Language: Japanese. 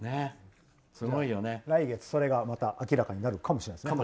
来月、それがまた明らかになるかもしれないですね。